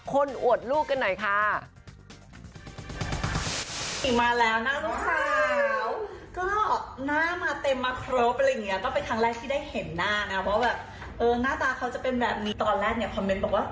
ท้องดูไม่ใหญ่เป็นยังไงล่ะ